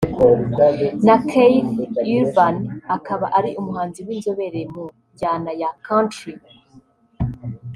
na Keith Urban akaba ari umuhanzi w’inzobere mu njyana ya Country